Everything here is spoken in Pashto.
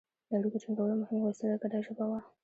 د اړیکو ټینګولو مهمه وسیله ګډه ژبه وه